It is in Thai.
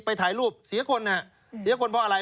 ถ่ายรูปเสียคนเสียคนเพราะอะไร